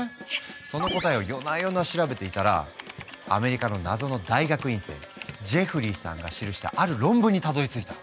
その答えを夜な夜な調べていたらアメリカの謎の大学院生ジェフリーさんが記したある論文にたどりついた。